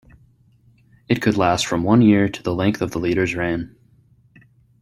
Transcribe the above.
It could last from one year to the length of the leader's reign.